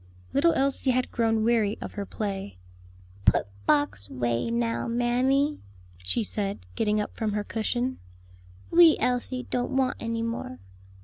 Little Elsie had grown weary of her play. "Put box way now, mammy," she said, getting up from her cushion; "wee Elsie don't want any more.